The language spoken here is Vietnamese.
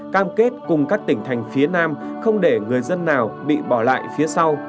cam kết cùng các tỉnh thành phía nam không để người dân nào bị bỏ lại phía sau